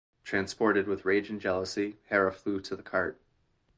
Transported with rage and jealousy, Hera flew to the cart.